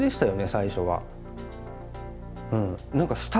最初は。